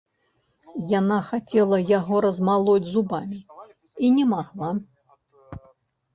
Яна хацела яго размалоць зубамі і не магла.